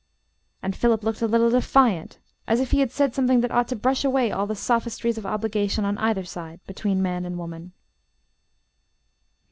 And Philip looked a little defiant, and as if he had said something that ought to brush away all the sophistries of obligation on either side, between man and woman.